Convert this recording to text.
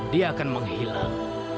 dia akan menghilang